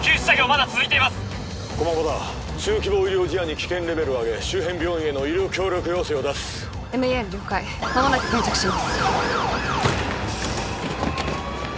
まだ続いています駒場だ中規模医療事案に危険レベルを上げ周辺病院への医療協力要請を出すＭＥＲ了解間もなく到着します